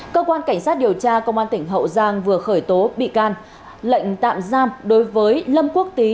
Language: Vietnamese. cơ quan cảnh sát điều tra công an tỉnh hậu giang vừa khởi tố bị can lệnh tạm giam đối với lâm quốc tý